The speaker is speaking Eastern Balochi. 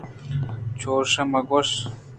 چُش مَہ گُوٛش